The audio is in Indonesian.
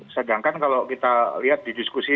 sedangkan kalau kita lihat di diskusi